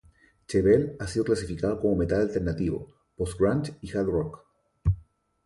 Chevelle ha sido clasificado como metal alternativo, post-grunge, y hard rock.